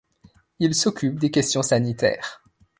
Il s'occupe des questions sanitaires.